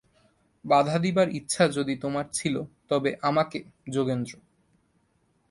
বাধা দিবার ইচ্ছা যদি তোমার ছিল, তবে আমাকে- যোগেন্দ্র।